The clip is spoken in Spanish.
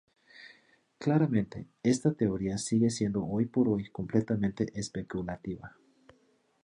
Claramente esta teoría sigue siendo hoy por hoy completamente especulativa.